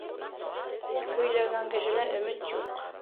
Күп һөйләгән кешелә өмөт юҡ.